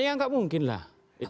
ya tidak mungkin lah